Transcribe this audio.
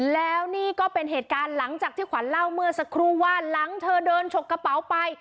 แล้วนี่ก็เป็นเหตุการณ์หลังจากที่ขวัญเล่าเมื่อสักครู่ว่าหลังเธอเดินฉกกระเป๋าไป